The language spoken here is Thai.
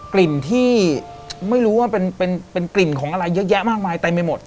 กลิ่นที่ไม่รู้ว่าเป็นกลิ่นของอะไรเยอะแยะมากมายเต็มไปหมด